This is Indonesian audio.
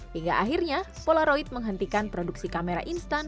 hingga akhirnya polaroid menghentikan produksi kamera instan